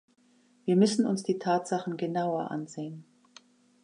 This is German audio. Wir müssen uns die Tatsachen genauer ansehen.